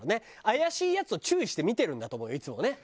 怪しいヤツを注意して見てるんだと思うよいつもね。